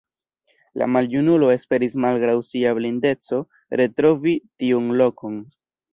La maljunulo esperis malgraŭ sia blindeco retrovi tiun lokon.